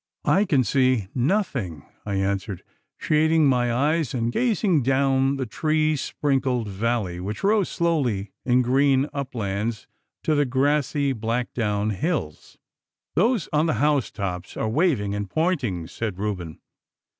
'I can see nothing,' I answered, shading my eyes and gazing down the tree sprinkled valley which rose slowly in green uplands to the grassy Blackdown hills. 'Those on the housetops are waving and pointing,' said Reuben.